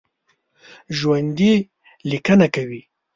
ژوندي لیکنه کوي